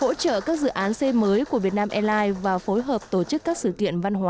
hỗ trợ các dự án xây mới của việt nam airlines và phối hợp tổ chức các sự kiện văn hóa